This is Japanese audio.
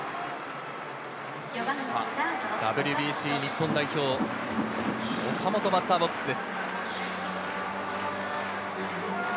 ＷＢＣ日本代表・岡本、バッターボックスです。